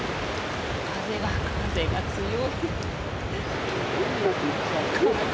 風が風が強い。